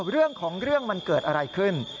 เรื่องของเรื่องมันเกิดอะไรขึ้น